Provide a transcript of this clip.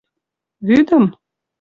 — Вӱдым?